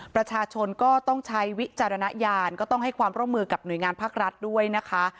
ประชาชนก็ต้องใช้วิจารณญาณก็ต้องให้ความร่วมมือกับหน่วยงานภาครัฐด้วยนะคะ